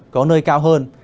có nơi cao hơn